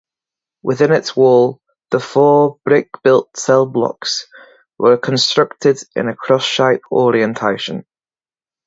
Within its wall, the four brick-built cell blocks were constructed in a cross-shape orientation.